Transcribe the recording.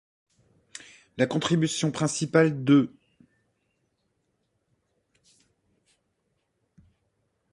La contribution principale d'E.